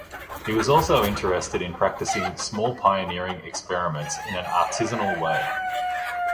He was also interested in practicing small pioneering experiments in an artisanal way.